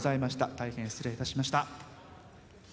大変、失礼いたしました。